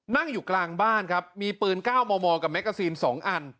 นั่งอยู่กลางบ้านครับมีเปลือนก้าวมอลมอลกับแม็กซีนสองอัน